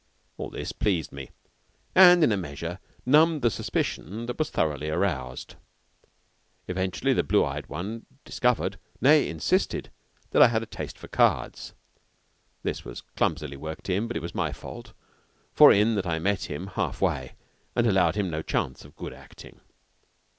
All this pleased me, and in a measure numbed the suspicion that was thoroughly aroused. Eventually the blue eyed one discovered, nay, insisted, that I had a taste for cards (this was clumsily worked in, but it was my fault, for in that I met him half way and allowed him no chance of good acting).